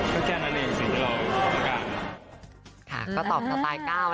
คือทั้งแมซกับวีปมีไม่มีปัญหาอะไรอยู่แล้วครับ